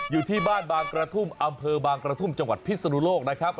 อยู่ที่บ้านบางกระทุ่มอำเภอบางกระทุ่มจังหวัดพิศนุโลกนะครับ